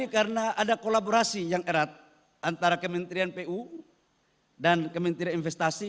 karena ada kolaborasi yang erat antara kementerian pu dan kementerian investasi